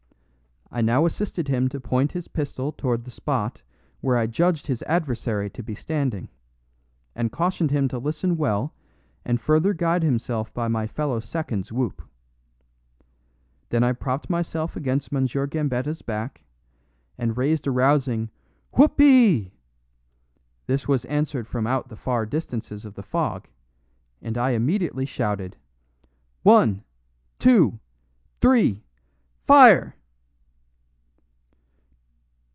I now assisted him to point his pistol toward the spot where I judged his adversary to be standing, and cautioned him to listen well and further guide himself by my fellow second's whoop. Then I propped myself against M. Gambetta's back, and raised a rousing "Whoop ee!" This was answered from out the far distances of the fog, and I immediately shouted: "One two three FIRE!"